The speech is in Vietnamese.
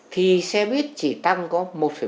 thì xe buýt chỉ tăng có một bốn